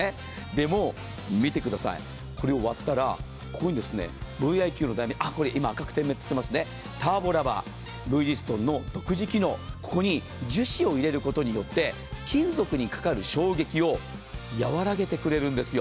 でも、見てください、これを割ったら、ここにＶｉ‐Ｑのターボラバー、ブリヂストンの独自機能、ここに樹脂を入れることによって、金属にかかる衝撃をやわらげてくれるんですよ